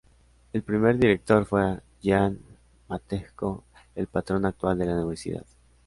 El primer director fue Jan Matejko, el patrón actual de la universidad.